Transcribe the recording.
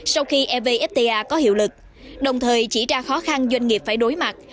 sau khi evfta có hiệu lực đồng thời chỉ ra khó khăn doanh nghiệp phải đối mặt